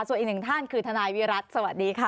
ส่วนอีกหนึ่งท่านคือทนายวิรัติสวัสดีค่ะ